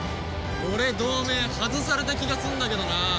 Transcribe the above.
俺同盟外された気がすんだけどなあ。